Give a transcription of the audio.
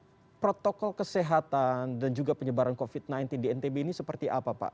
nah protokol kesehatan dan juga penyebaran covid sembilan belas di ntb ini seperti apa pak